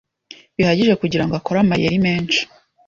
bihagije kugirango akore amayeri menshi